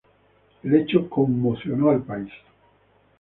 El hecho conmocionó al país.